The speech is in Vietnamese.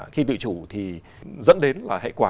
khi tự chủ thì dẫn đến là hệ quả